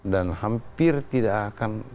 dan hampir tidak akan berjalan